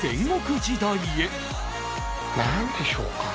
何でしょうか。